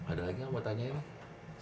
ada lagi yang mau ditanyain